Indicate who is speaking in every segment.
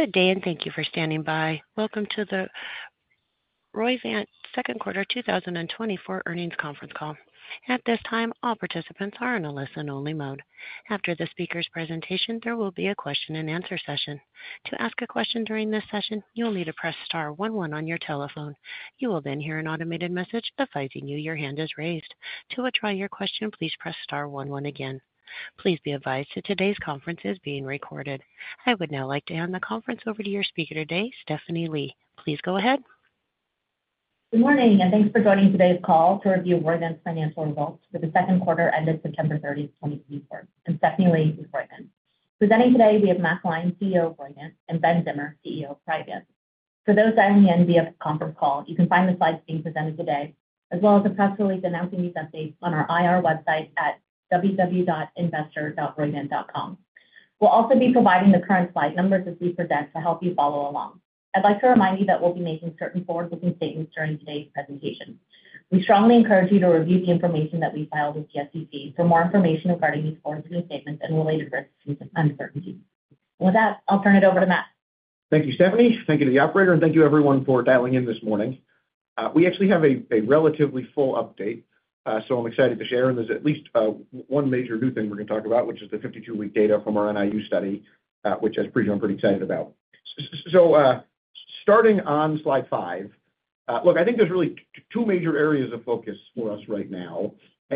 Speaker 1: Good day, and thank you for standing by. Welcome to the Roivant Second Quarter 2024 earnings conference call. At this time, all participants are in a listen-only mode. After the speaker's presentation, there will be a question-and-answer session. To ask a question during this session, you'll need to press star one one on your telephone. You will then hear an automated message advising you your hand is raised. To withdraw your question, please press star one one again. Please be advised that today's conference is being recorded. I would now like to hand the conference over to your speaker today, Stephanie Lee. Please go ahead.
Speaker 2: Good morning, and thanks for joining today's call to review Roivant's financial results for the second quarter ended September 30th, 2024. I'm Stephanie Lee with Roivant. Presenting today, we have Matt Gline, CEO of Roivant, and Ben Zimmer, CEO of Priovant. For those dialing in via conference call, you can find the slides being presented today, as well as a press release announcing these updates on our IR website at www.investor.roivant.com. We'll also be providing the current slide numbers as we present to help you follow along. I'd like to remind you that we'll be making certain forward-looking statements during today's presentation. We strongly encourage you to review the information that we filed with the SEC for more information regarding these forward-looking statements and related risks and uncertainties. With that, I'll turn it over to Matt.
Speaker 3: Thank you, Stephanie. Thank you to the operator, and thank you, everyone for dialing in this morning. We actually have a relatively full update, so I'm excited to share. And there's at least one major new thing we're going to talk about, which is the 52-week data from our NIU study, which I'm pretty excited about. So starting on slide five, look, I think there's really two major areas of focus for us right now.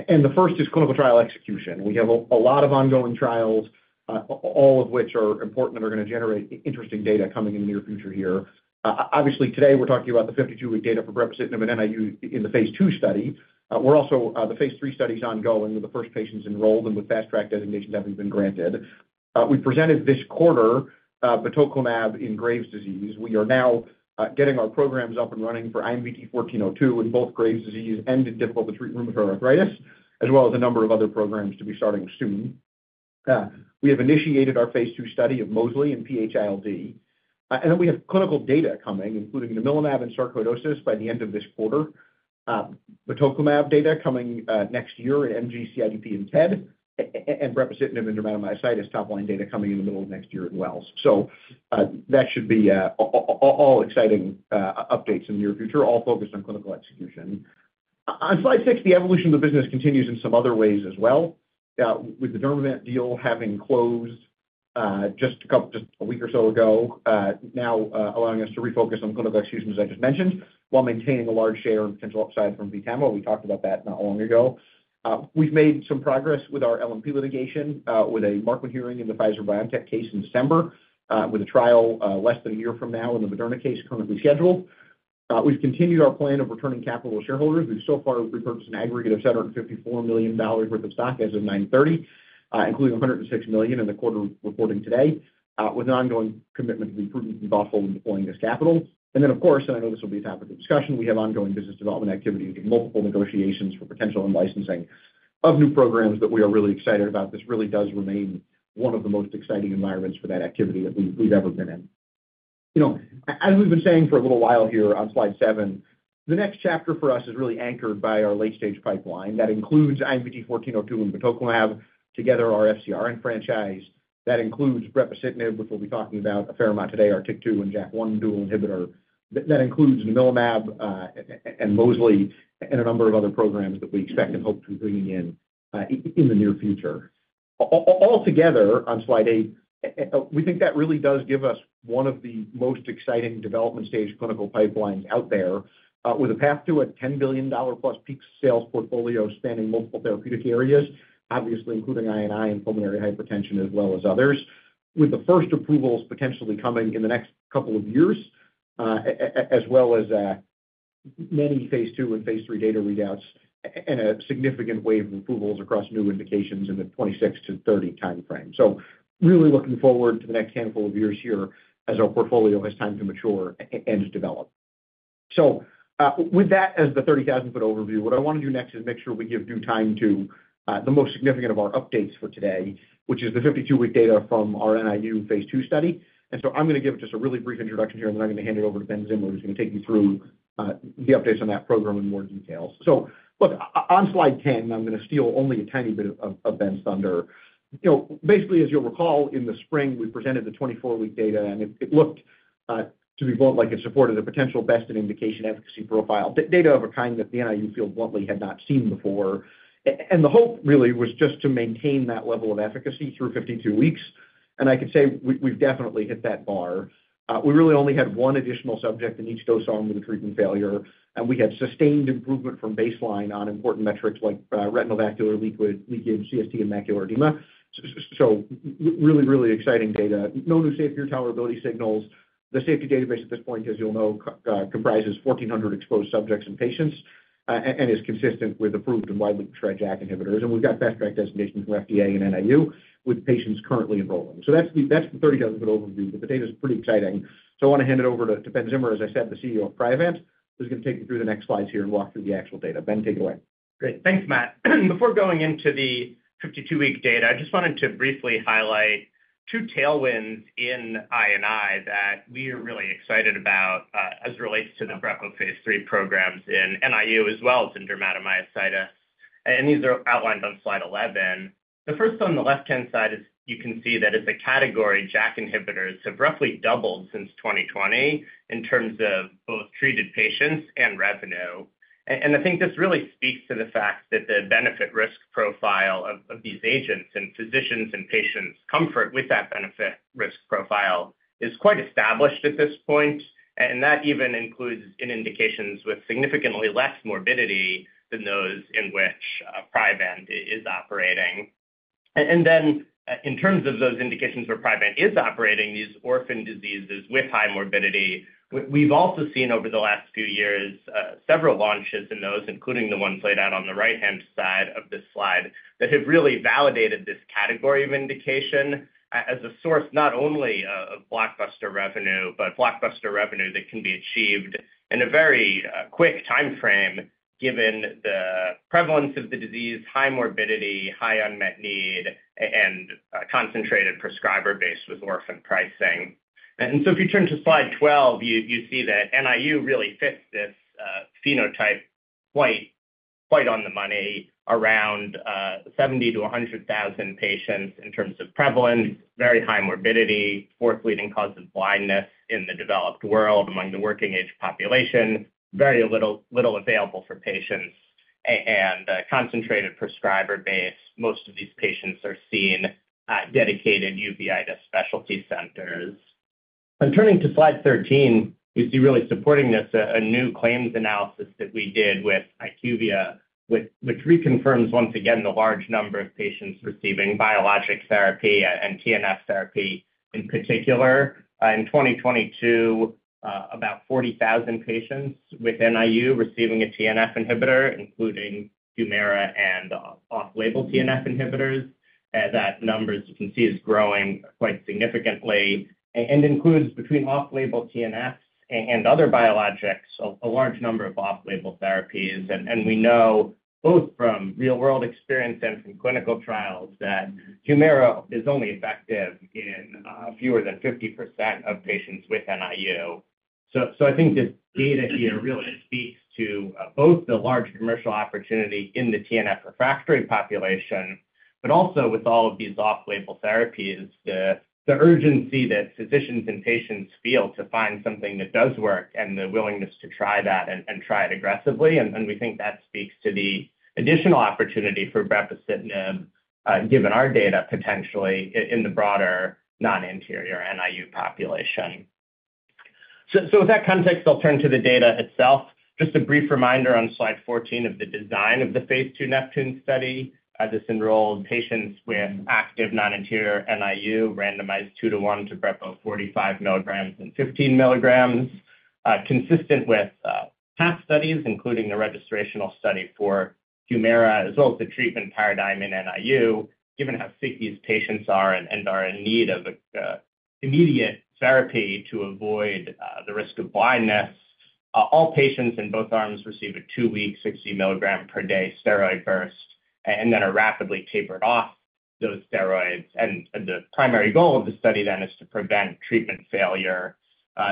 Speaker 3: And the first is clinical trial execution. We have a lot of ongoing trials, all of which are important and are going to generate interesting data coming in the near future here. Obviously, today we're talking about the 52-week data for brepocitinib in NIU in the phase II study. We're also the phase III study is ongoing with the first patients enrolled and with fast-track designations having been granted. We presented this quarter batoclimab in Graves' disease. We are now getting our programs up and running for IMVT-1402 in both Graves' disease and in difficult-to-treat rheumatoid arthritis, as well as a number of other programs to be starting soon. We have initiated our phase II study of mosliciguat in PH-ILD. And then we have clinical data coming, including the namilumab in sarcoidosis by the end of this quarter, batoclimab data coming next year in MG, CIDP, and TED, and brepocitinib in dermatomyositis top-line data coming in the middle of next year as well. So that should be all exciting updates in the near future, all focused on clinical execution. On slide six, the evolution of the business continues in some other ways as well, with the Dermavant deal having closed just a week or so ago, now allowing us to refocus on clinical execution, as I just mentioned, while maintaining a large share and potential upside from VTAMA. We talked about that not long ago. We've made some progress with our LNP litigation, with a Markman hearing in the Pfizer-BioNTech case in December, with a trial less than a year from now in the Moderna case currently scheduled. We've continued our plan of returning capital to shareholders. We've so far repurchased an aggregate of $754 million worth of stock as of 9/30, including $106 million in the quarter reporting today, with an ongoing commitment to be prudent and thoughtful in deploying this capital. And then, of course, and I know this will be a topic of discussion, we have ongoing business development activities and multiple negotiations for potential and licensing of new programs that we are really excited about. This really does remain one of the most exciting environments for that activity that we've ever been in. As we've been saying for a little while here on slide seven, the next chapter for us is really anchored by our late-stage pipeline that includes IMVT-1402 and batoclimab together, our FcRn franchise. That includes brepocitinib, which we'll be talking about a fair amount today, our TYK2 and JAK1 dual inhibitor. That includes namilumab and mosliciguat and a number of other programs that we expect and hope to be bringing in in the near future. Altogether, on slide eight, we think that really does give us one of the most exciting development stage clinical pipelines out there, with a path to a $10 billion-plus peak sales portfolio spanning multiple therapeutic areas, obviously including NIU and pulmonary hypertension as well as others, with the first approvals potentially coming in the next couple of years, as well as many phase II and phase III data readouts and a significant wave of approvals across new indications in the 2026-2030 timeframe. So really looking forward to the next handful of years here as our portfolio has time to mature and develop. So with that as the 30,000-foot overview, what I want to do next is make sure we give due time to the most significant of our updates for today, which is the 52-week data from our NIU phase II study. And so I'm going to give just a really brief introduction here, and then I'm going to hand it over to Ben Zimmer, who's going to take you through the updates on that program in more detail. So look, on slide 10, I'm going to steal only a tiny bit of Ben's thunder. Basically, as you'll recall, in the spring, we presented the 24-week data, and it looked to be built like it supported a potential best-in-indication efficacy profile, data of a kind that the NIU field bluntly had not seen before. And the hope really was just to maintain that level of efficacy through 52 weeks. And I could say we've definitely hit that bar. We really only had one additional subject in each dose arm with a treatment failure, and we had sustained improvement from baseline on important metrics like retinal vascular leakage, CST, and macular edema. So really, really exciting data. No new safety or tolerability signals. The safety database at this point, as you'll know, comprises 1,400 exposed subjects and patients and is consistent with approved and widely prescribed JAK inhibitors. And we've got fast-track designations from FDA and NIU with patients currently enrolling. So that's the 30,000-foot overview, but the data is pretty exciting. So I want to hand it over to Ben Zimmer, as I said, the CEO of Priovant, who's going to take you through the next slides here and walk through the actual data. Ben, take it away.
Speaker 4: Great. Thanks, Matt. Before going into the 52-week data, I just wanted to briefly highlight two tailwinds in immunology that we are really excited about as it relates to the brepo phase III programs in NIU as well as in dermatomyositis, and these are outlined on slide 11. The first on the left-hand side is, you can see that as a category, JAK inhibitors have roughly doubled since 2020 in terms of both treated patients and revenue. And I think this really speaks to the fact that the benefit-risk profile of these agents and physicians and patients' comfort with that benefit-risk profile is quite established at this point, and that even includes indications with significantly less morbidity than those in which Priovant is operating. Then in terms of those indications where Priovant is operating, these orphan diseases with high morbidity, we've also seen over the last few years several launches in those, including the ones laid out on the right-hand side of this slide, that have really validated this category of indication as a source not only of blockbuster revenue, but blockbuster revenue that can be achieved in a very quick timeframe given the prevalence of the disease, high morbidity, high unmet need, and concentrated prescriber base with orphan pricing. So if you turn to slide 12, you see that NIU really fits this phenotype quite on the money around 70,000-100,000 patients in terms of prevalence, very high morbidity, fourth-leading cause of blindness in the developed world among the working-age population, very little available for patients, and concentrated prescriber base. Most of these patients are seen at dedicated uveitis specialty centers, and turning to slide 13, we see, really supporting this, a new claims analysis that we did with IQVIA, which reconfirms once again the large number of patients receiving biologic therapy and TNF therapy in particular. In 2022, about 40,000 patients with NIU receiving a TNF inhibitor, including Humira and off-label TNF inhibitors. That number, as you can see, is growing quite significantly and includes, between off-label TNFs and other biologics, a large number of off-label therapies, and we know both from real-world experience and from clinical trials that Humira is only effective in fewer than 50% of patients with NIU. So I think this data here really speaks to both the large commercial opportunity in the TNF refractory population, but also with all of these off-label therapies, the urgency that physicians and patients feel to find something that does work and the willingness to try that and try it aggressively. And we think that speaks to the additional opportunity for brepocitinib, given our data potentially in the broader non-anterior NIU population. So with that context, I'll turn to the data itself. Just a brief reminder on slide 14 of the design of the phase II Neptune study. This enrolled patients with active non-anterior NIU, randomized two to one to brepocitinib 45 milligrams and 15 milligrams, consistent with past studies, including the registrational study for Humira, as well as the treatment paradigm in NIU, given how sick these patients are and are in need of immediate therapy to avoid the risk of blindness. All patients in both arms receive a two-week 60 milligrams per day steroid burst and then are rapidly tapered off those steroids. And the primary goal of the study then is to prevent treatment failure.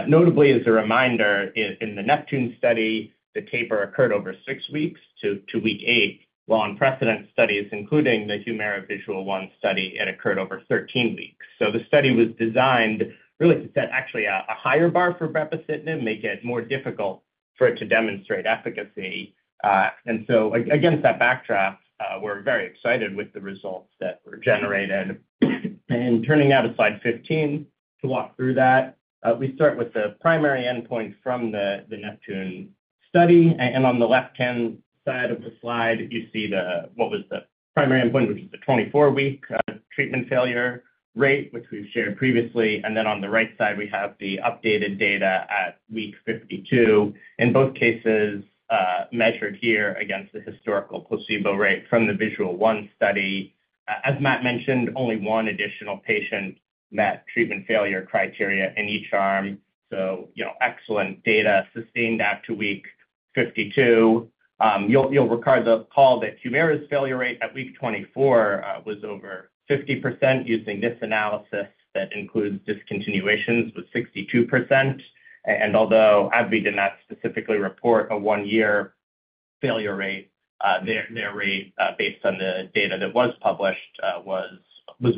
Speaker 4: Notably, as a reminder, in the NEPTUNE study, the taper occurred over six weeks to week eight, while in pivotal studies, including the Humira VISUAL-1 study, it occurred over 13 weeks. So the study was designed really to set actually a higher bar for brepocitinib, make it more difficult for it to demonstrate efficacy. And so against that backdrop, we're very excited with the results that were generated. Turning now to slide 15 to walk through that, we start with the primary endpoint from the NEPTUNE study. On the left-hand side of the slide, you see what was the primary endpoint, which was the 24-week treatment failure rate, which we've shared previously. Then on the right side, we have the updated data at week 52. In both cases, measured here against the historical placebo rate from the VISUAL-1 study. As Matt mentioned, only one additional patient met treatment failure criteria in each arm. Excellent data sustained after week 52. You'll recall that Humira's failure rate at week 24 was over 50% using this analysis that includes discontinuations with 62%. And although AbbVie did not specifically report a one-year failure rate, their rate based on the data that was published was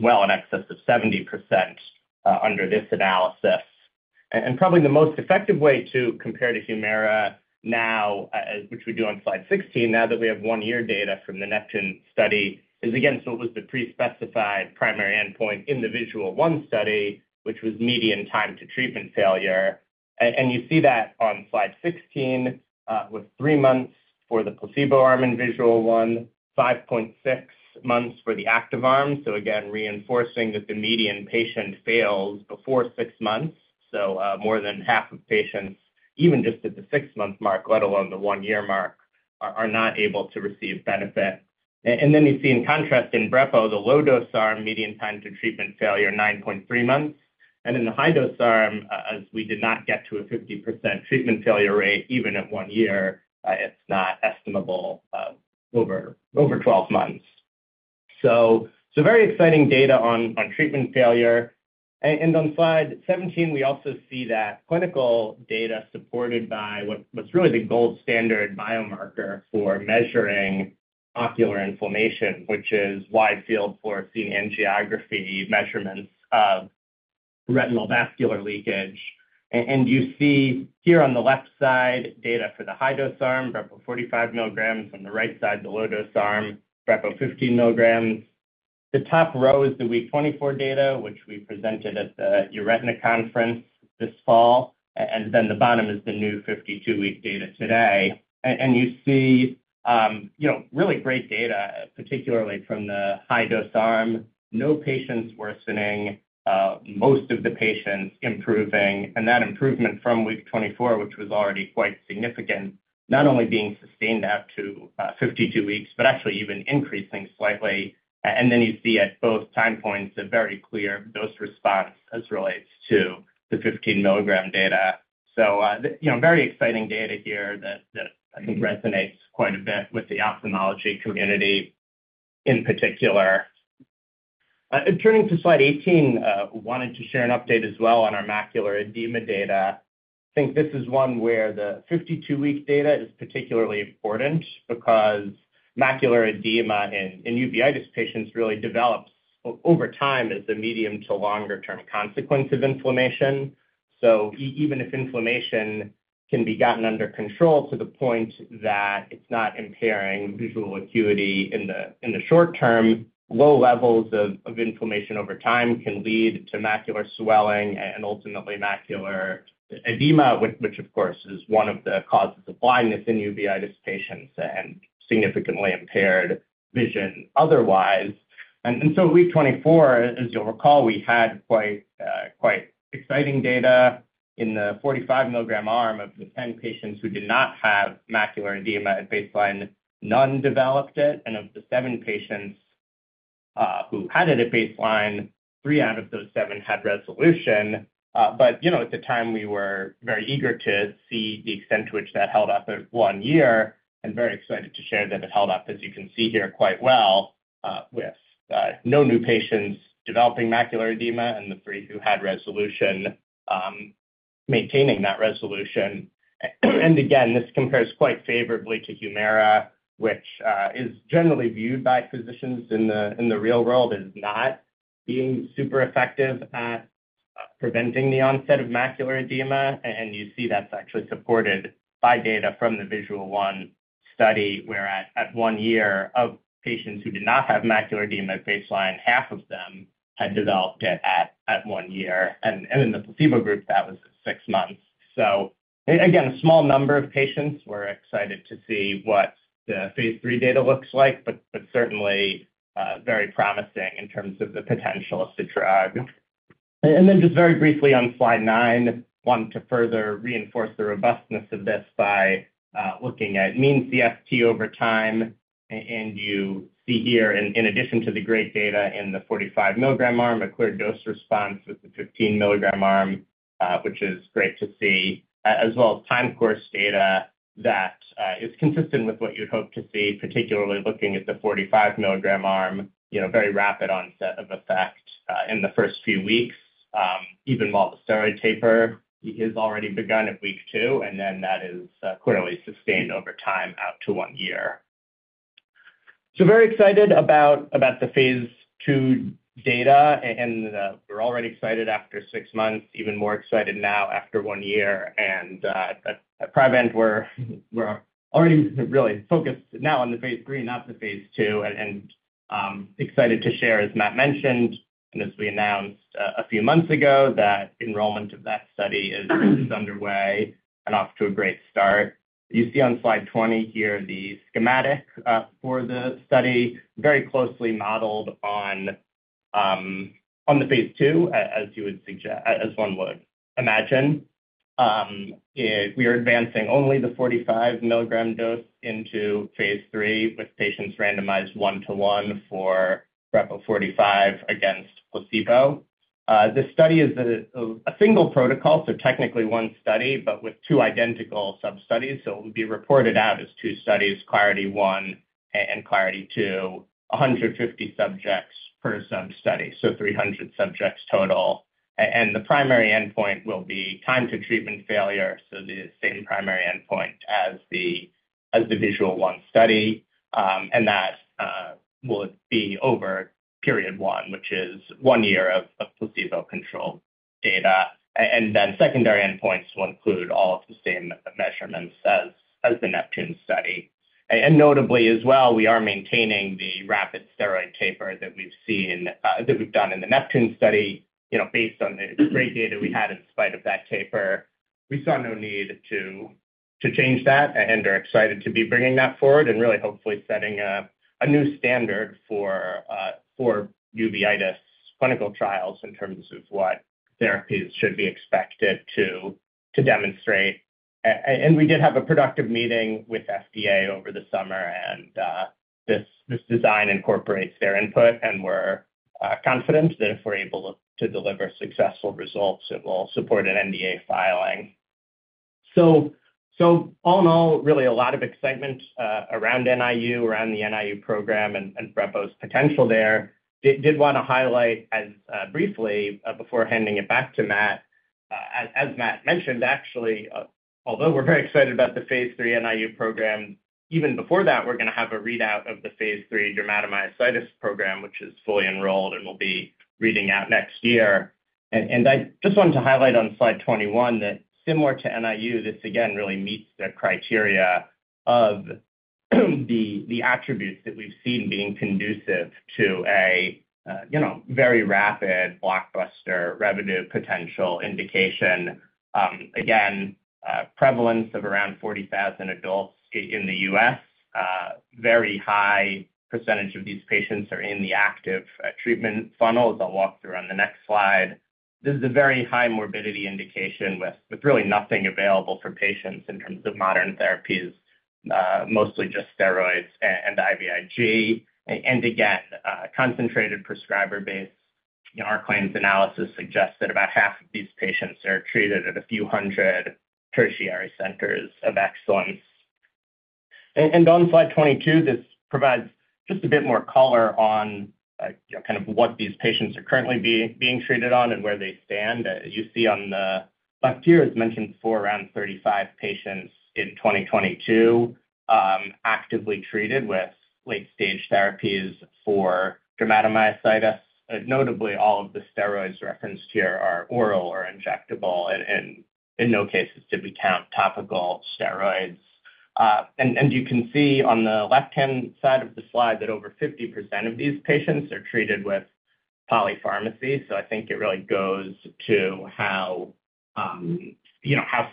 Speaker 4: well in excess of 70% under this analysis. And probably the most effective way to compare to Humira now, which we do on slide 16, now that we have one-year data from the NEPTUNE study, is against what was the pre-specified primary endpoint in the VISUAL-1 study, which was median time to treatment failure. And you see that on slide 16 with three months for the placebo arm in VISUAL-1, 5.6 months for the active arm. So again, reinforcing that the median patient fails before six months. So more than half of patients, even just at the six-month mark, let alone the one-year mark, are not able to receive benefit. And then you see, in contrast, in brepocitinib, the low-dose arm median time to treatment failure, 9.3 months. And in the high-dose arm, as we did not get to a 50% treatment failure rate, even at one year, it's not estimable over 12 months. So very exciting data on treatment failure. And on slide 17, we also see that clinical data supported by what's really the gold standard biomarker for measuring ocular inflammation, which is wide field fluorescein angiography measurements of retinal vascular leakage. And you see here on the left side data for the high-dose arm, brepocitinib 45 milligrams. On the right side, the low-dose arm, brepocitinib 15 milligrams. The top row is the week 24 data, which we presented at the EURETINA conference this fall. And then the bottom is the new 52-week data today. And you see really great data, particularly from the high-dose arm. No patients worsening, most of the patients improving. And that improvement from week 24, which was already quite significant, not only being sustained out to 52 weeks, but actually even increasing slightly. And then you see at both time points a very clear dose-response as it relates to the 15 milligram data. So very exciting data here that I think resonates quite a bit with the ophthalmology community in particular. Turning to slide 18, wanted to share an update as well on our macular edema data. I think this is one where the 52-week data is particularly important because macular edema in uveitis patients really develops over time as a medium- to longer-term consequence of inflammation. So even if inflammation can be gotten under control to the point that it's not impairing visual acuity in the short term, low levels of inflammation over time can lead to macular swelling and ultimately macular edema, which of course is one of the causes of blindness in uveitis patients and significantly impaired vision otherwise, and so week 24, as you'll recall, we had quite exciting data in the 45 milligram arm of the 10 patients who did not have macular edema at baseline, none developed it, and of the seven patients who had it at baseline, three out of those seven had resolution. But at the time, we were very eager to see the extent to which that held up at one year and very excited to share that it held up, as you can see here, quite well with no new patients developing macular edema and the three who had resolution maintaining that resolution. And again, this compares quite favorably to Humira, which is generally viewed by physicians in the real world as not being super effective at preventing the onset of macular edema. And you see that's actually supported by data from the VISUAL-1 study where at one year of patients who did not have macular edema at baseline, half of them had developed it at one year. And in the placebo group, that was at six months. So again, a small number of patients. We're excited to see what the phase III data looks like, but certainly very promising in terms of the potential of the drug, and then just very briefly on slide 19, wanted to further reinforce the robustness of this by looking at mean CFT over time, and you see here, in addition to the great data in the 45 milligram arm, a clear dose response with the 15 milligram arm, which is great to see, as well as time course data that is consistent with what you'd hope to see, particularly looking at the 45 milligram arm, very rapid onset of effect in the first few weeks, even while the steroid taper has already begun at week two, and then that is clearly sustained over time out to one year, so very excited about the phase II data. We're already excited after six months, even more excited now after one year. At Priovant, we're already really focused now on the phase III, not the phase II. Excited to share, as Matt mentioned, and as we announced a few months ago, that enrollment of that study is underway and off to a great start. You see on slide 20 here the schematic for the study, very closely modeled on the phase II, as one would imagine. We are advancing only the 45 mg dose into phase III with patients randomized one to one for brepocitinib 45 mg against placebo. This study is a single protocol, so technically one study, but with two identical sub-studies. So it will be reported out as two studies, CLARITY 1 and CLARITY 2, 150 subjects per sub-study, so 300 subjects total. The primary endpoint will be time to treatment failure, so the same primary endpoint as the VISUAL-1 study. That will be over period one, which is one year of placebo control data. Secondary endpoints will include all of the same measurements as the NEPTUNE study. Notably as well, we are maintaining the rapid steroid taper that we've seen that we've done in the NEPTUNE study based on the great data we had in spite of that taper. We saw no need to change that and are excited to be bringing that forward and really hopefully setting a new standard for uveitis clinical trials in terms of what therapies should be expected to demonstrate. We did have a productive meeting with FDA over the summer, and this design incorporates their input. We're confident that if we're able to deliver successful results, it will support an NDA filing. All in all, really a lot of excitement around NIU, around the NIU program and brepocitinib's potential there. I did want to highlight, as briefly, before handing it back to Matt. As Matt mentioned, actually, although we're very excited about the phase III NIU program, even before that, we're going to have a readout of the phase III dermatomyositis program, which is fully enrolled and will be reading out next year. I just wanted to highlight on slide 21 that similar to NIU, this again really meets the criteria of the attributes that we've seen being conducive to a very rapid blockbuster revenue potential indication. Again, prevalence of around 40,000 adults in the U.S., very high percentage of these patients are in the active treatment funnel, as I'll walk through on the next slide. This is a very high morbidity indication with really nothing available for patients in terms of modern therapies, mostly just steroids and IVIG, and again, concentrated prescriber-based, our claims analysis suggests that about half of these patients are treated at a few hundred tertiary centers of excellence, and on slide 22, this provides just a bit more color on kind of what these patients are currently being treated on and where they stand. You see on the left here, as mentioned before, around 35 patients in 2022 actively treated with late-stage therapies for dermatomyositis. Notably, all of the steroids referenced here are oral or injectable, and in no cases did we count topical steroids. You can see on the left-hand side of the slide that over 50% of these patients are treated with polypharmacy. So I think it really goes to how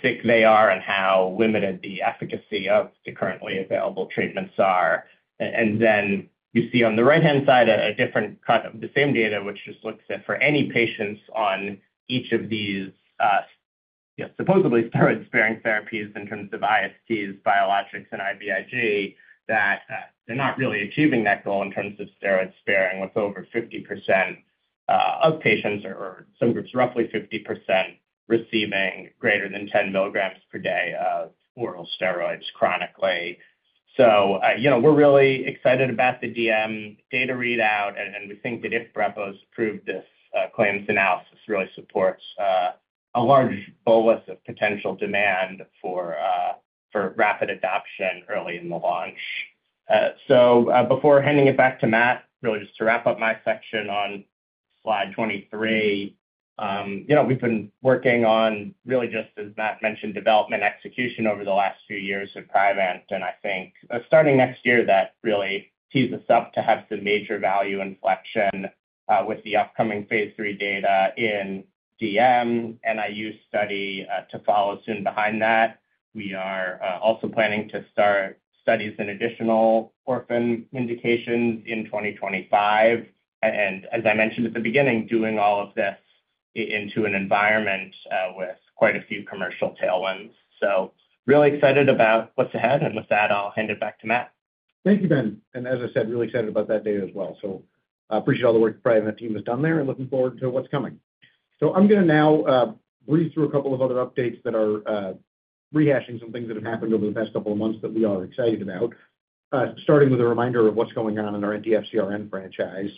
Speaker 4: sick they are and how limited the efficacy of the currently available treatments are. Then you see on the right-hand side a different cut of the same data, which just looks at for any patients on each of these supposedly steroid-sparing therapies in terms of ISTs, biologics, and IVIG, that they're not really achieving that goal in terms of steroid sparing, with over 50% of patients, or some groups, roughly 50% receiving greater than 10 milligrams per day of oral steroids chronically. So we're really excited about the DM data readout, and we think that if brepocitinib's approved, this claims analysis really supports a large bolus of potential demand for rapid adoption early in the launch. So before handing it back to Matt, really just to wrap up my section on slide 23, we've been working on really just, as Matt mentioned, development execution over the last few years at Priovant. And I think starting next year, that really tees us up to have some major value inflection with the upcoming phase III data in DM, NIU study to follow soon behind that. We are also planning to start studies in additional orphan indications in 2025. And as I mentioned at the beginning, doing all of this into an environment with quite a few commercial tailwinds. So really excited about what's ahead. And with that, I'll hand it back to Matt.
Speaker 3: Thank you, Ben. And as I said, really excited about that data as well. So I appreciate all the work the Priovant team has done there and looking forward to what's coming. So I'm going to now breeze through a couple of other updates that are rehashing some things that have happened over the past couple of months that we are excited about, starting with a reminder of what's going on in our anti-FcRn franchise.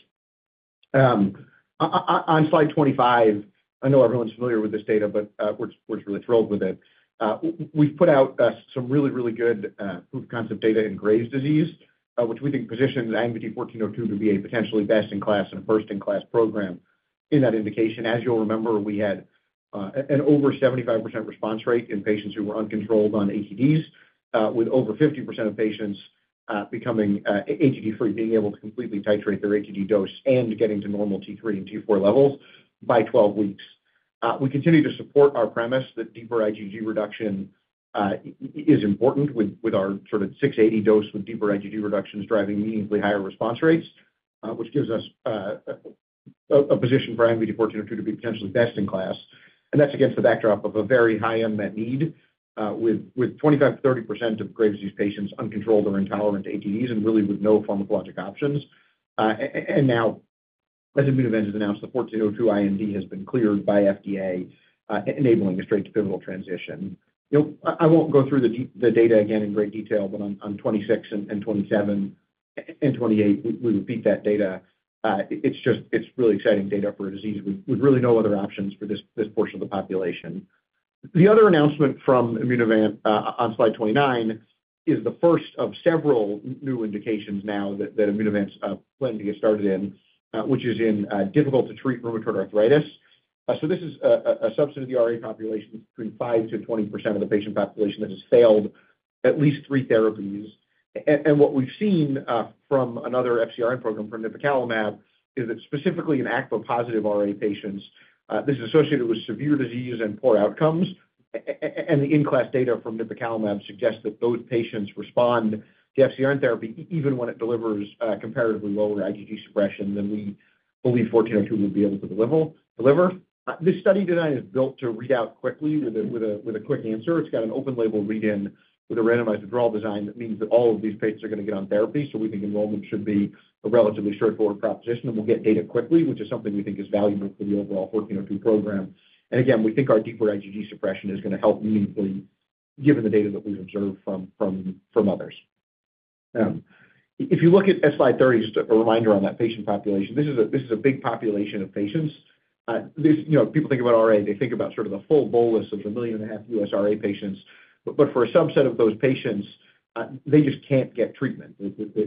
Speaker 3: On slide 25, I know everyone's familiar with this data, but we're just really thrilled with it. We've put out some really, really good proof of concept data in Graves' disease, which we think positions IMVT-1402 to be a potentially best-in-class and a first-in-class program in that indication. As you'll remember, we had an over 75% response rate in patients who were uncontrolled on ATDs, with over 50% of patients becoming ATD-free, being able to completely titrate their ATD dose and getting to normal T3 and T4 levels by 12 weeks. We continue to support our premise that deeper IgG reduction is important with our subQ 680 dose with deeper IgG reductions driving meaningfully higher response rates, which gives us a position for IMVT-1402 to be potentially best in class. And that's against the backdrop of a very high unmet need with 25%-30% of Graves' disease patients uncontrolled or intolerant to ATDs, and really with no pharmacologic options. And now, as Immunovant has announced, the 1402 IND has been cleared by FDA, enabling a straight-to-pivotal transition. I won't go through the data again in great detail, but on 26 and 27 and 28, we repeat that data. It's really exciting data for a disease with really no other options for this portion of the population. The other announcement from Immunovant on slide 29 is the first of several new indications now that Immunovant is planning to get started in, which is in difficult-to-treat rheumatoid arthritis, so this is a subset of the RA population between 5%-20% of the patient population that has failed at least three therapies, and what we've seen from another FcRn program from nipocalimab is that specifically in ACPA-positive RA patients, this is associated with severe disease and poor outcomes, and the in-class data from nipocalimab suggests that those patients respond to FcRn therapy even when it delivers comparatively lower IgG suppression than we believe 1402 would be able to deliver. This study design is built to read out quickly with a quick answer. It's got an open label read-in with a randomized withdrawal design that means that all of these patients are going to get on therapy. We think enrollment should be a relatively straightforward proposition, and we'll get data quickly, which is something we think is valuable for the overall 1402 program. And again, we think our deeper IgG suppression is going to help meaningfully, given the data that we've observed from others. If you look at slide 30, just a reminder on that patient population, this is a big population of patients. People think about RA, they think about sort of the full bolus of the 1.5 million U.S. RA patients. But for a subset of those patients, they just can't get treatment.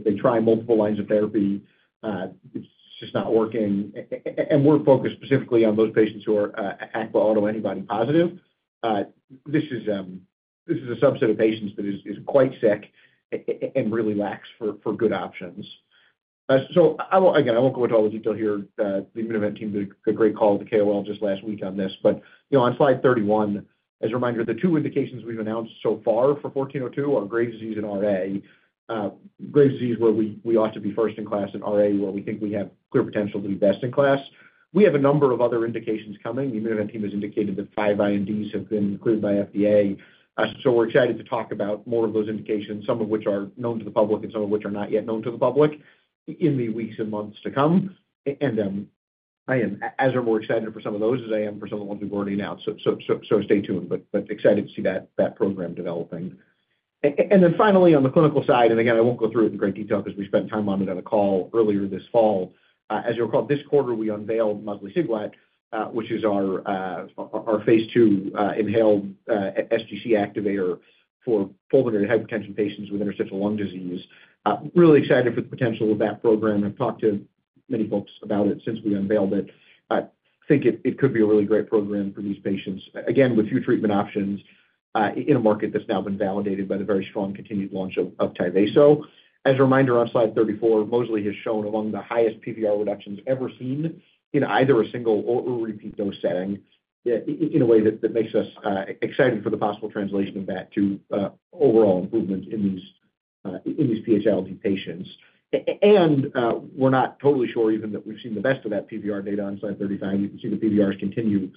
Speaker 3: They try multiple lines of therapy. It's just not working. And we're focused specifically on those patients who are ACPA autoantibody positive. This is a subset of patients that is quite sick and really lacks for good options. So again, I won't go into all the detail here. The Immunovant team did a great call to KOL just last week on this, but on slide 31, as a reminder, the two indications we've announced so far for 1402 are Graves' disease, where we ought to be first in class, and RA, where we think we have clear potential to be best in class. We have a number of other indications coming. The Immunovant team has indicated that five INDs have been cleared by FDA, so we're excited to talk about more of those indications, some of which are known to the public and some of which are not yet known to the public in the weeks and months to come, and as we're more excited for some of those as I am for some of the ones we've already announced, so stay tuned, but excited to see that program developing. And then finally, on the clinical side, and again, I won't go through it in great detail because we spent time on it on a call earlier this fall. As you'll recall, this quarter, we unveiled mosliciguat, which is our phase II inhaled sGC activator for pulmonary hypertension patients with interstitial lung disease. Really excited for the potential of that program. I've talked to many folks about it since we unveiled it. I think it could be a really great program for these patients, again, with few treatment options in a market that's now been validated by the very strong continued launch of Tyvaso. As a reminder, on slide 34, mosliciguat has shown among the highest PVR reductions ever seen in either a single or repeat dose setting in a way that makes us excited for the possible translation of that to overall improvement in these PH-ILD patients. And we're not totally sure even that we've seen the best of that PVR data on slide 35. You can see the PVRs continue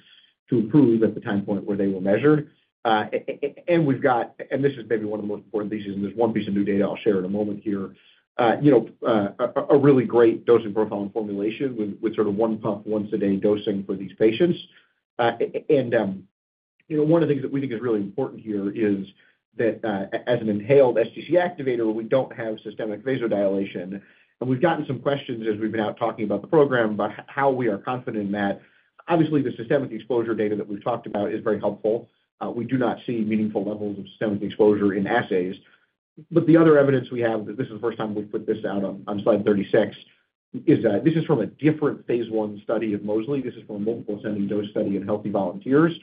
Speaker 3: to improve at the time point where they were measured. And this is maybe one of the most important pieces, and there's one piece of new data I'll share in a moment here, a really great dosing profile and formulation with sort of one puff once a day dosing for these patients. And one of the things that we think is really important here is that as an inhaled sGC activator, we don't have systemic vasodilation. And we've gotten some questions as we've been out talking about the program about how we are confident in that. Obviously, the systemic exposure data that we've talked about is very helpful. We do not see meaningful levels of systemic exposure in assays. But the other evidence we have, this is the first time we've put this out on slide 36, is that this is from a different phase I study of mosliciguat. This is from a multiple ascending dose study in healthy volunteers.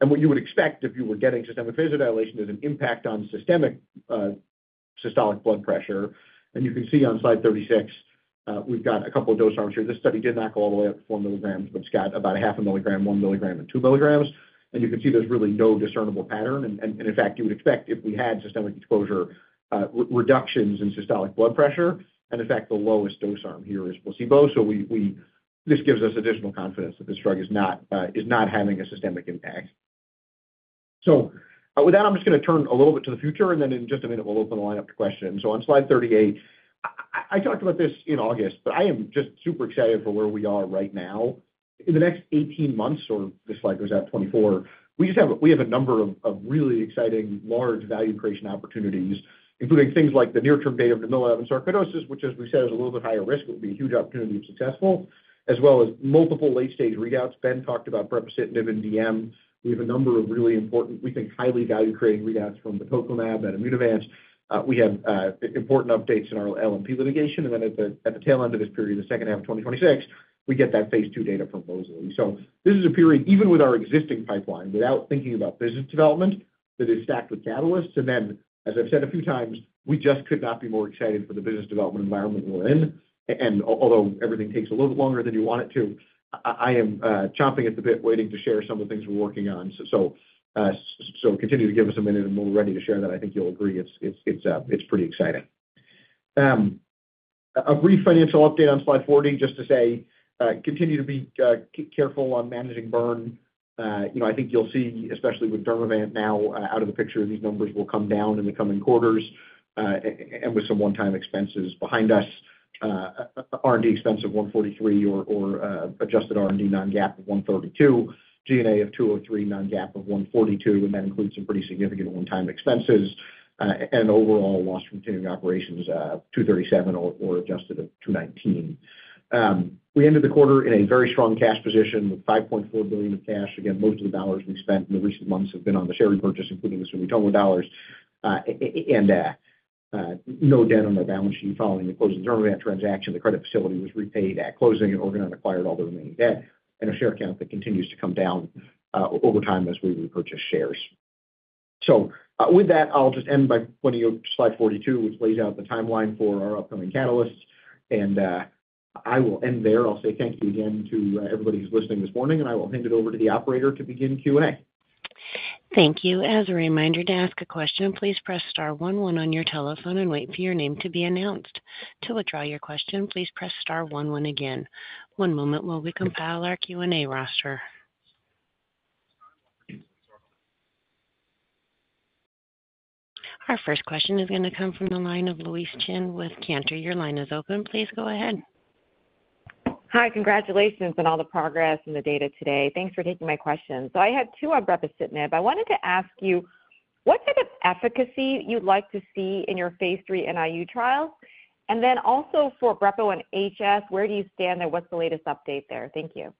Speaker 3: And what you would expect if you were getting systemic vasodilation is an impact on systemic systolic blood pressure. And you can see on slide 36, we've got a couple of dose arms here. This study did not go all the way up to four milligrams, but it's got about a half a milligram, one milligram, and two milligrams. And you can see there's really no discernible pattern. And in fact, you would expect if we had systemic exposure reductions in systolic blood pressure. And in fact, the lowest dose arm here is placebo. So this gives us additional confidence that this drug is not having a systemic impact. So with that, I'm just going to turn a little bit to the future, and then in just a minute, we'll open the lineup to questions. So on slide 38, I talked about this in August, but I am just super excited for where we are right now. In the next 18 months, or this slide goes out 24, we have a number of really exciting large value creation opportunities, including things like the near-term data of namilumab sarcoidosis, which, as we said, is a little bit higher risk. It will be a huge opportunity to be successful, as well as multiple late-stage readouts. Ben talked about brepocitinib and in DM. We have a number of really important, we think, highly value-creating readouts from batoclimab and Immunovant. We have important updates in our LNP litigation. And then at the tail end of this period, the second half of 2026, we get that phase II data from mosliciguat. So this is a period, even with our existing pipeline, without thinking about business development that is stacked with catalysts. And then, as I've said a few times, we just could not be more excited for the business development environment we're in. And although everything takes a little bit longer than you want it to, I am chomping at the bit waiting to share some of the things we're working on. So continue to give us a minute, and when we're ready to share that, I think you'll agree it's pretty exciting. A brief financial update on slide 40, just to say, continue to be careful on managing burn. I think you'll see, especially with Dermavant now out of the picture, these numbers will come down in the coming quarters and with some one-time expenses behind us. R&D expense of $143 million or adjusted R&D non-GAAP of $132 million, G&A of $203 million non-GAAP of $142 million, and that includes some pretty significant one-time expenses. Overall, loss from continuing operations $237 million or adjusted of $219 million. We ended the quarter in a very strong cash position with $5.4 billion of cash. Again, most of the dollars we spent in the recent months have been on the share repurchase, including the Sumitomo dollars, and no debt on our balance sheet following the closing Dermavant transaction. The credit facility was repaid at closing and Organon acquired all the remaining debt and our share count that continues to come down over time as we repurchase shares. So with that, I'll just end by pointing you to slide 42, which lays out the timeline for our upcoming catalysts. And I will end there. I'll say thank you again to everybody who's listening this morning, and I will hand it over to the operator to begin Q&A.
Speaker 1: Thank you. As a reminder to ask a question, please press star 11 on your telephone and wait for your name to be announced. To withdraw your question, please press star one one again. One moment while we compile our Q&A roster. Our first question is going to come from the line of Louise Chen with Cantor. Your line is open. Please go ahead.
Speaker 5: Hi. Congratulations on all the progress and the data today. Thanks taking my question.I had two on brepocitinib, but I wanted to ask you what type of efficacy you'd like to see in your phase III NIU trials. And then also for brepocitinib and HS, where do you stand and what's the latest update there? Thank you.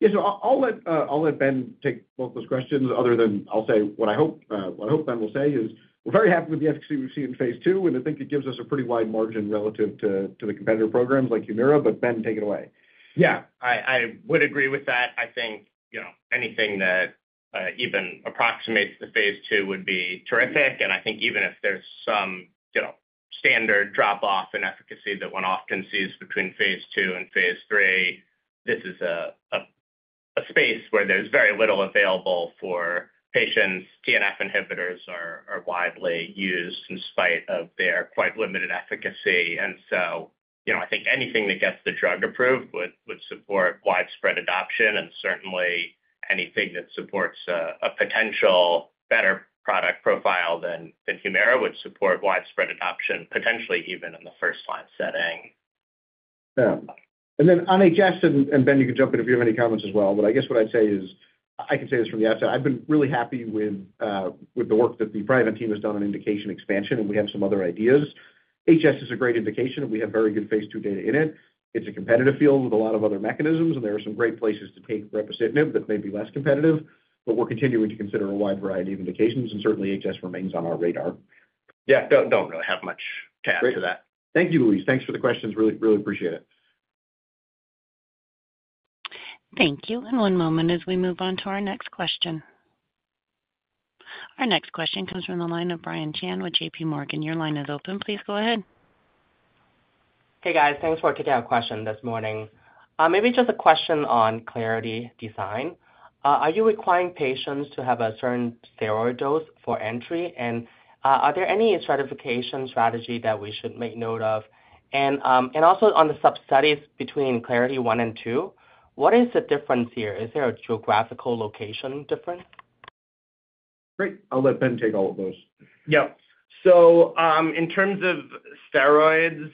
Speaker 3: Yeah. So I'll let Ben take both those questions. Other than, I'll say what I hope Ben will say is we're very happy with the efficacy we've seen in phase II, and I think it gives us a pretty wide margin relative to the competitor programs like Humira. But Ben, take it away.
Speaker 4: Yeah. I would agree with that. I think anything that even approximates the phase II would be terrific. And I think even if there's some standard drop-off in efficacy that one often sees between phase II and phase III, this is a space where there's very little available for patients. TNF inhibitors are widely used in spite of their quite limited efficacy. And so I think anything that gets the drug approved would support widespread adoption. And certainly, anything that supports a potential better product profile than Humira would support widespread adoption, potentially even in the first-line setting.
Speaker 3: Yeah. And then on HS, and Ben, you can jump in if you have any comments as well. But I guess what I'd say is I can say this from the outset. I've been really happy with the work that the Priovant team has done on indication expansion, and we have some other ideas. HS is a great indication. We have very good phase II data in it. It's a competitive field with a lot of other mechanisms, and there are some great places to take brepocitinib that may be less competitive. But we're continuing to consider a wide variety of indications, and certainly, HS remains on our radar.
Speaker 4: Yeah. Don't really have much to add to that.
Speaker 3: Thank you, Louise. Thanks for the questions. Really appreciate it.
Speaker 1: Thank you. And one moment as we move on to our next question. Our next question comes from the line of Brian Cheng with JPMorgan. Your line is open. Please go ahead.
Speaker 6: Hey, guys. Thanks for taking our question this morning. Maybe just a question on CLARITY design. Are you requiring patients to have a certain steroid dose for entry? And are there any stratification strategy that we should make note of? And also on the studies between CLARITY-1 and CLARITY-2, what is the difference here? Is there a geographical location difference?
Speaker 3: Great. I'll let Ben take all of those.
Speaker 4: Yeah. So in terms of steroids,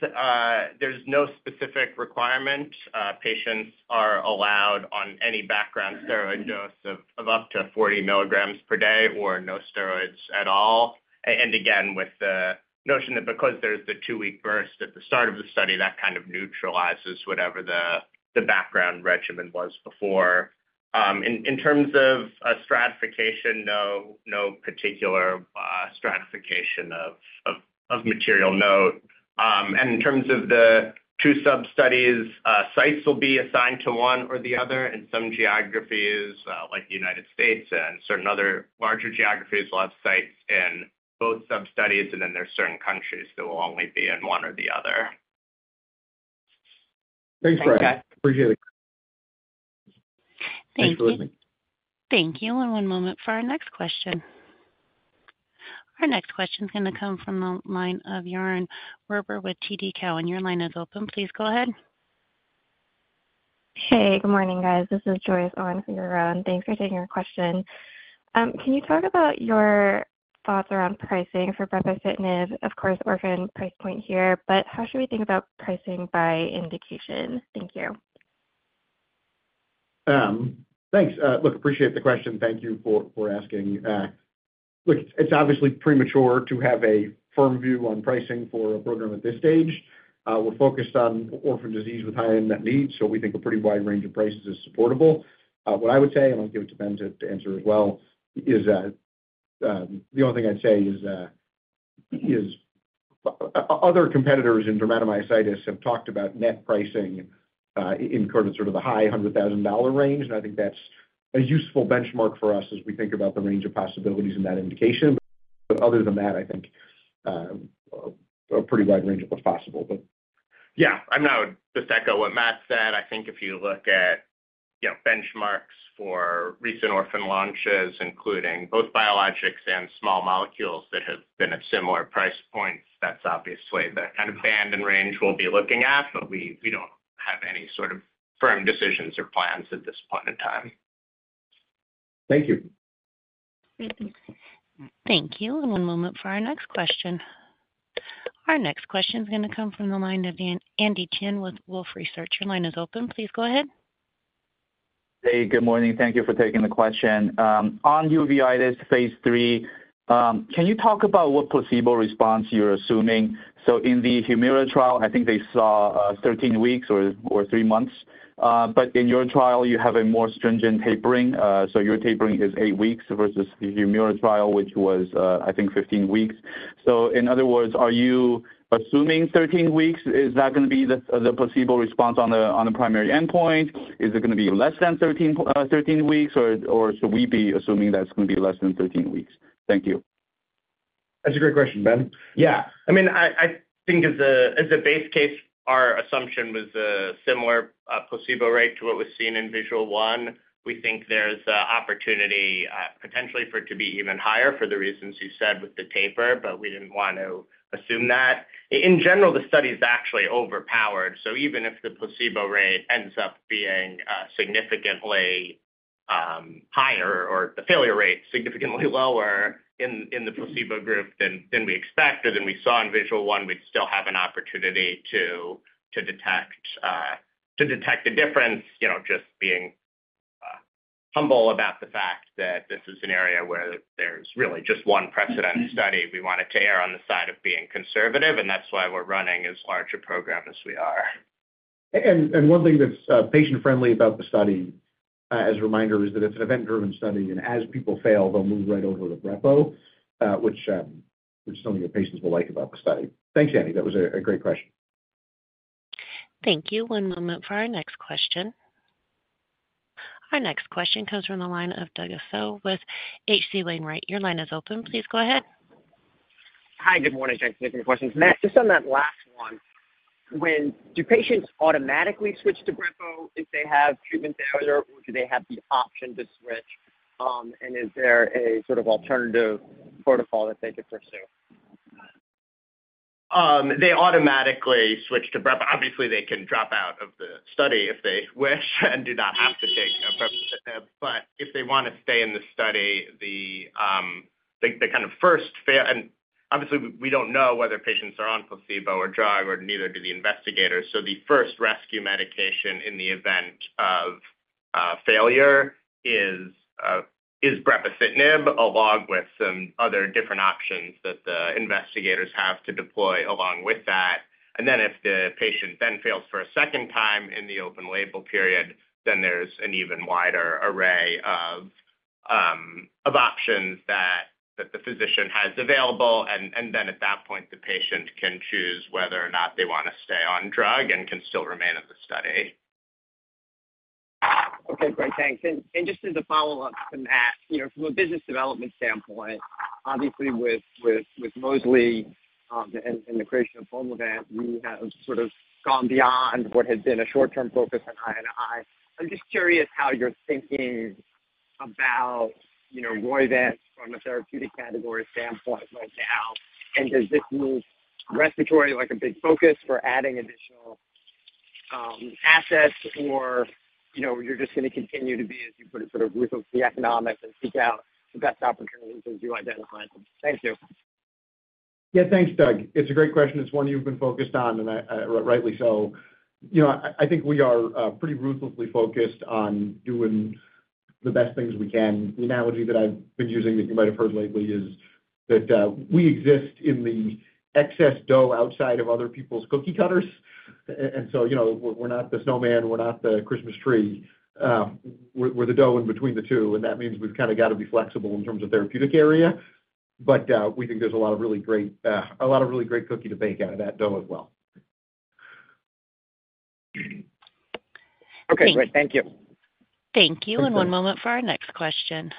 Speaker 4: there's no specific requirement. Patients are allowed on any background steroid dose of up to 40 milligrams per day or no steroids at all, and again, with the notion that because there's the two-week burst at the start of the study, that kind of neutralizes whatever the background regimen was before. In terms of stratification, no particular stratification of material note. In terms of the two sub studies, sites will be assigned to one or the other. Some geographies like the United States and certain other larger geographies will have sites in both sub studies. Then there's certain countries that will only be in one or the other. Thanks, Brian.
Speaker 6: Appreciate it.
Speaker 1: Thank you. Thank you. One moment for our next question. Our next question is going to come from the line of Yaron Werber with TD Cowen. Your line is open. Please go ahead.
Speaker 7: Hey. Good morning, guys. This is Joyce on here. Thanks for taking our question. Can you talk about your thoughts around pricing for brepocitinib? Of course, orphan price point here, but how should we think about pricing by indication? Thank you.
Speaker 3: Thanks. Look, appreciate the question. Thank you for asking. Look, it's obviously premature to have a firm view on pricing for a program at this stage. We're focused on orphan disease with high unmet needs, so we think a pretty wide range of prices is supportable. What I would say, and I'll give it to Ben to answer as well, is the only thing I'd say is other competitors in dermatomyositis have talked about net pricing in sort of the high $100,000 range. I think that's a useful benchmark for us as we think about the range of possibilities in that indication. But other than that, I think a pretty wide range of what's possible.
Speaker 4: But yeah, I'm now just echoing what Matt said. I think if you look at benchmarks for recent orphan launches, including both biologics and small molecules that have been at similar price points, that's obviously the kind of band and range we'll be looking at. But we don't have any sort of firm decisions or plans at this point in time. Thank you.
Speaker 1: Thank you. And one moment for our next question. Our next question is going to come from the line of Andy Chen with Wolfe Research. Your line is open. Please go ahead.
Speaker 8: Hey. Good morning. Thank you for taking the question. On uveitis phase III, can you talk about what placebo response you're assuming? So in the Humira trial, I think they saw 13 weeks or three months. But in your trial, you have a more stringent tapering. So your tapering is eight weeks versus the Humira trial, which was, I think, 15 weeks. So in other words, are you assuming 13 weeks? Is that going to be the placebo response on the primary endpoint? Is it going to be less than 13 weeks, or should we be assuming that it's going to be less than 13 weeks? Thank you.
Speaker 3: That's a great question, Ben.
Speaker 4: Yeah. I mean, I think as a base case, our assumption was a similar placebo rate to what was seen in VISUAL-1. We think there's opportunity potentially for it to be even higher for the reasons you said with the taper, but we didn't want to assume that. In general, the study is actually overpowered. So even if the placebo rate ends up being significantly higher or the failure rate significantly lower in the placebo group than we expect or than we saw in VISUAL-1, we'd still have an opportunity to detect the difference, just being humble about the fact that this is an area where there's really just one precedent study. We wanted to err on the side of being conservative, and that's why we're running as large a program as we are. And one thing that's patient-friendly about the study, as a reminder, is that it's an event-driven study. And as people fail, they'll move right over to brepocitinib, which some of your patients will like about the study. Thanks, Andy. That was a great question.
Speaker 1: Thank you. One moment for our next question. Our next question comes from the line of Douglas Tsao with H.C. Wainwright. Your line is open.
Speaker 9: Please go ahead. Hi. Good morning. Thanks for taking the question. Matt, just on that last one, do patients automatically switch to brepocitinib if they have treatment failure, or do they have the option to switch? And is there a sort of alternative protocol that they could pursue?
Speaker 3: They automatically switch to brepocitinib. Obviously, they can drop out of the study if they wish and do not have to take brepocitinib. But if they want to stay in the study, the kind of first fail, and obviously, we don't know whether patients are on placebo or drug, or neither do the investigators. So the first rescue medication in the event of failure is brepocitinib along with some other different options that the investigators have to deploy along with that. And then if the patient then fails for a second time in the open label period, then there's an even wider array of options that the physician has available. And then at that point, the patient can choose whether or not they want to stay on drug and can still remain in the study.
Speaker 9: Okay. Great. Thanks. And just as a follow-up to Matt, from a business development standpoint, obviously, with mosliciguat and the creation of Pulmovant, we have sort of gone beyond what had been a short-term focus on IND. I'm just curious how you're thinking about Roivant from a therapeutic category standpoint right now. And does this move respiratory like a big focus for adding additional assets, or you're just going to continue to be, as you put it, sort of ruthlessly economic and seek out the best opportunities as you identify them? Thank you.
Speaker 3: Yeah. Thanks, Doug. It's a great question. It's one you've been focused on, and rightly so. I think we are pretty ruthlessly focused on doing the best things we can. The analogy that I've been using that you might have heard lately is that we exist in the excess dough outside of other people's cookie cutters. And so we're not the snowman. We're not the Christmas tree. We're the dough in between the two. And that means we've kind of got to be flexible in terms of therapeutic area. But we think there's a lot of really great, a lot of really great cookie to bake out of that dough as well.
Speaker 9: Okay. Great. Thank you.
Speaker 1: Thank you. And one moment for our next question.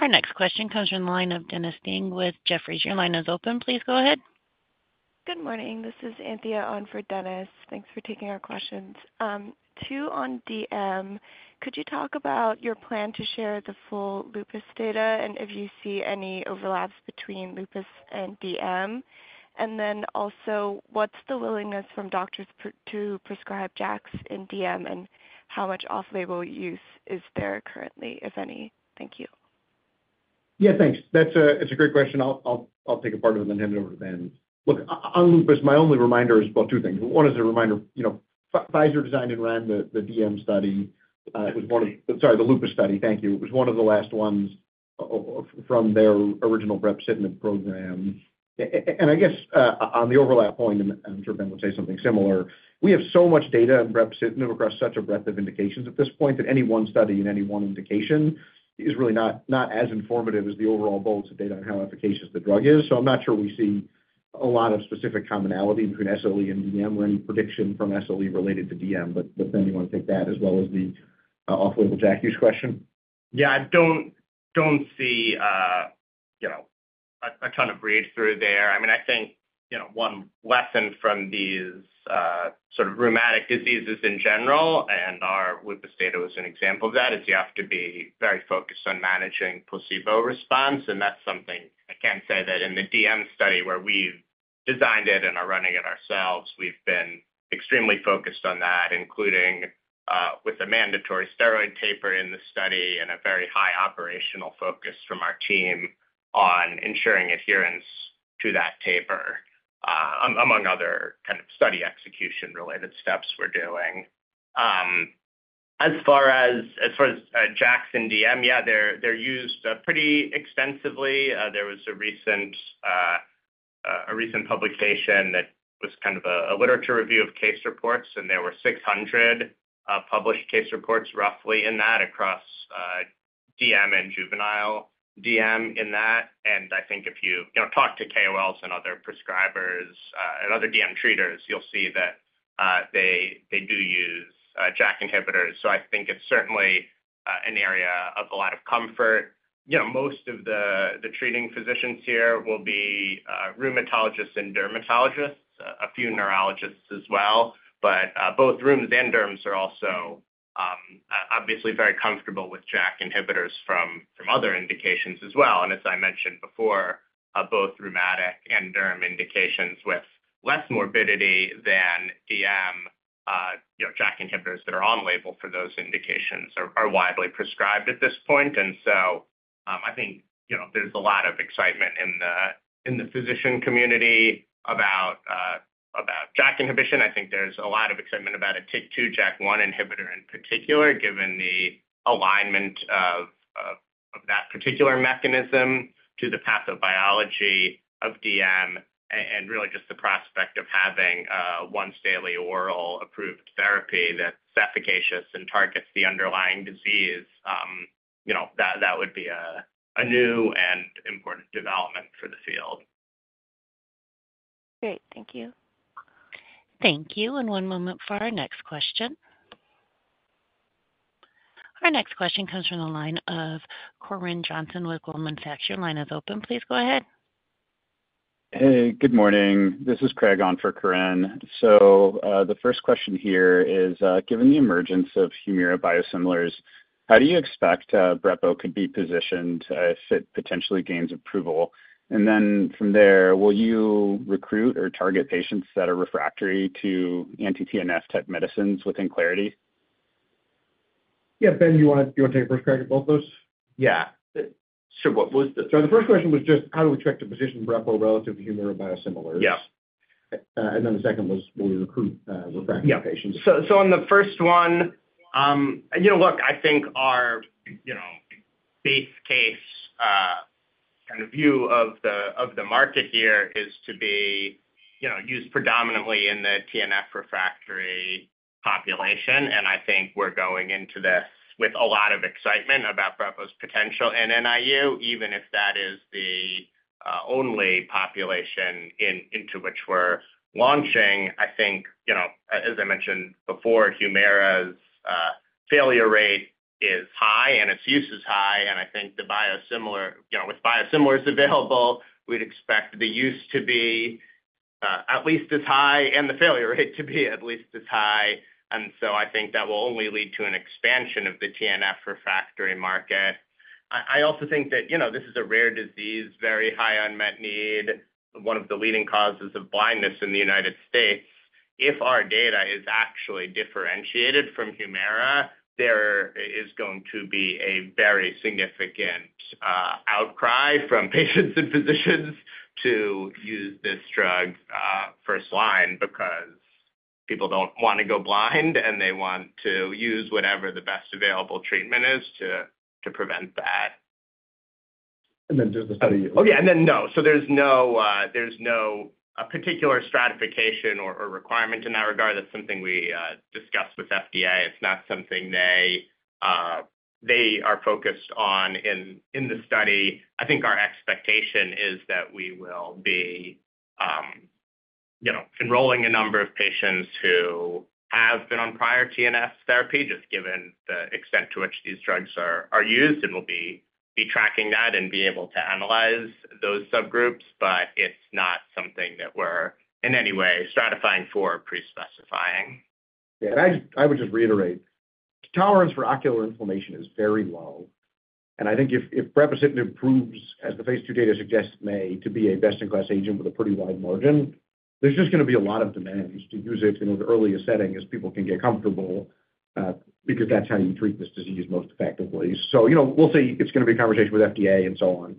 Speaker 1: Our next question comes from the line of Dennis Ding with Jefferies. Your line is open. Please go ahead.
Speaker 10: Good morning. This is Anthea on for Dennis. Thanks for taking our questions. Two on DM. Could you talk about your plan to share the full lupus data and if you see any overlaps between lupus and DM? And then also, what's the willingness from doctors to prescribe JAKs in DM, and how much off-label use is there currently, if any? Thank you.
Speaker 3: Yeah. Thanks. That's a great question. I'll take a part of it and then hand it over to Ben. Look, on lupus, my only reminder is about two things. One is a reminder. Pfizer designed and ran the DM study. It was one of, sorry, the lupus study. Thank you. It was one of the last ones from their original brepocitinib program. I guess on the overlap point, and I'm sure Ben would say something similar. We have so much data on brepocitinib across such a breadth of indications at this point that any one study and any one indication is really not as informative as the overall body of data on how efficacious the drug is. So I'm not sure we see a lot of specific commonality between SLE and DM or any prediction from SLE related to DM. But Ben, do you want to take that as well as the off-label JAK use question?
Speaker 4: Yeah. I don't see a ton of read-through there. I mean, I think one lesson from these sort of rheumatic diseases in general and our lupus data was an example of that is you have to be very focused on managing placebo response. That's something I can't say that in the DM study where we've designed it and are running it ourselves, we've been extremely focused on that, including with a mandatory steroid taper in the study and a very high operational focus from our team on ensuring adherence to that taper, among other kind of study execution-related steps we're doing. As far as JAKs in DM, yeah, they're used pretty extensively. There was a recent publication that was kind of a literature review of case reports, and there were 600 published case reports roughly in that across DM and juvenile DM in that. I think if you talk to KOLs and other prescribers and other DM treaters, you'll see that they do use JAK inhibitors. I think it's certainly an area of a lot of comfort. Most of the treating physicians here will be rheumatologists and dermatologists, a few neurologists as well. But both rheums and derms are also obviously very comfortable with JAK inhibitors from other indications as well. And as I mentioned before, both rheumatic and derm indications with less morbidity than DM JAK inhibitors that are on label for those indications are widely prescribed at this point. And so I think there's a lot of excitement in the physician community about JAK inhibition. I think there's a lot of excitement about a TYK2 JAK1 inhibitor in particular, given the alignment of that particular mechanism to the pathobiology of DM and really just the prospect of having a once-daily oral-approved therapy that's efficacious and targets the underlying disease. That would be a new and important development for the field.
Speaker 10: Great. Thank you.
Speaker 1: Thank you. And one moment for our next question. Our next question comes from the line of Corinne Jenkins with Goldman Sachs. Your line is open. Please go ahead.
Speaker 11: Hey. Good morning. This is Craig on for Corinne. So the first question here is, given the emergence of Humira biosimilars, how do you expect brepocitinib could be positioned if it potentially gains approval? And then from there, will you recruit or target patients that are refractory to anti-TNF-type medicines within CLARITY?
Speaker 3: Yeah. Ben, do you want to take a first crack at both those?
Speaker 4: Yeah. So what was the, sorry, the first question was just how do we try to position brepocitinib relative to Humira biosimilars?
Speaker 11: Yeah.
Speaker 4: And then the second was, will we recruit refractory patients?
Speaker 11: Yeah.
Speaker 4: So on the first one, look, I think our base case kind of view of the market here is to be used predominantly in the TNF-refractory population. I think we're going into this with a lot of excitement about brepocitinib's potential in NIU, even if that is the only population into which we're launching. I think, as I mentioned before, Humira's failure rate is high, and its use is high. And I think with biosimilars available, we'd expect the use to be at least as high and the failure rate to be at least as high. And so I think that will only lead to an expansion of the TNF-refractory market. I also think that this is a rare disease, very high unmet need, one of the leading causes of blindness in the United States. If our data is actually differentiated from Humira, there is going to be a very significant outcry from patients and physicians to use this drug first line because people don't want to go blind, and they want to use whatever the best available treatment is to prevent that.
Speaker 11: And then there's the study.
Speaker 4: Oh, yeah. And then no. So there's no particular stratification or requirement in that regard. That's something we discussed with FDA. It's not something they are focused on in the study. I think our expectation is that we will be enrolling a number of patients who have been on prior TNF therapy, just given the extent to which these drugs are used, and we'll be tracking that and be able to analyze those subgroups. But it's not something that we're in any way stratifying for or pre-specifying. Yeah. I would just reiterate, tolerance for ocular inflammation is very low. I think if brepocitinib improves, as the phase II data suggests may, to be a best-in-class agent with a pretty wide margin, there's just going to be a lot of demand to use it in an earlier setting as people can get comfortable because that's how you treat this disease most effectively. We'll see. It's going to be a conversation with FDA and so on.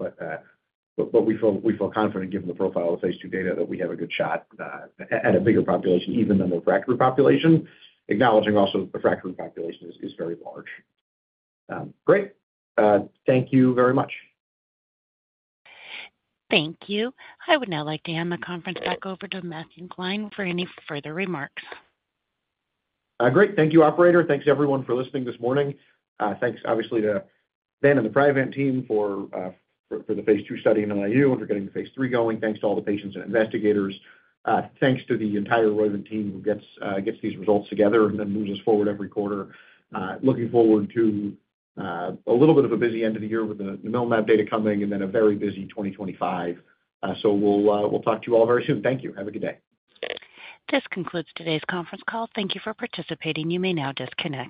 Speaker 4: We feel confident, given the profile of phase II data, that we have a good shot at a bigger population even than the refractory population, acknowledging also that the refractory population is very large.
Speaker 11: Great. Thank you very much.
Speaker 1: Thank you. I would now like to hand the conference back over to Matt Gline for any further remarks.
Speaker 3: Great. Thank you, operator. Thanks, everyone, for listening this morning. Thanks, obviously, to Ben and the Priovant team for the phase II study in NIU and for getting the phase III going. Thanks to all the patients and investigators. Thanks to the entire Roivant team who gets these results together and then moves us forward every quarter. Looking forward to a little bit of a busy end of the year with the namilumab data coming and then a very busy 2025. So we'll talk to you all very soon. Thank you. Have a good day.
Speaker 1: This concludes today's conference call. Thank you for participating. You may now disconnect.